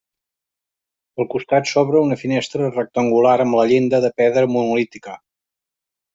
Al costat s'obre una finestra rectangular, amb la llinda de pedra monolítica.